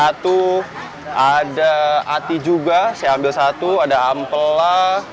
ada ati juga saya ambil satu ada ampela